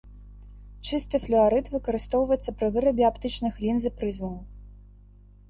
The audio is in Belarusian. Чысты флюарыт выкарыстоўваецца пры вырабе аптычных лінз і прызмаў.